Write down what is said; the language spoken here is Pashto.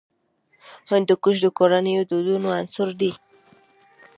هندوکش د کورنیو د دودونو عنصر دی.